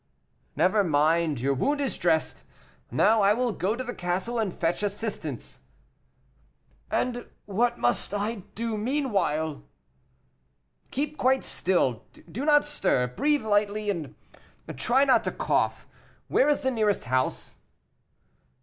"Never mind; your wound is dressed. Now I will go to the castle and fetch assistance." "And what must I do meanwhile?" "Keep quite still; do not stir; breathe lightly, and try not to cough. Which is the nearest house?"